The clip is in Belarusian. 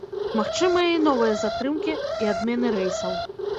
Магчымыя і новыя затрымкі і адмены рэйсаў.